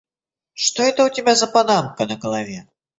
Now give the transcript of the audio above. Что это у тебя за панамка на голове?